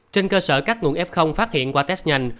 trên cơ sở các nguồn f phát hiện qua test nhanh